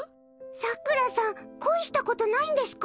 さくらさん恋したことないんですか？